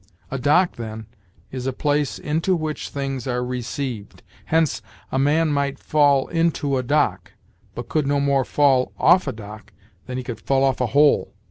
A dock, then, is a place into which things are received; hence, a man might fall into a dock, but could no more fall off a dock than he could fall off a hole.